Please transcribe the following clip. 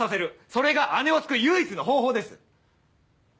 それが姉を救う唯一の方法です。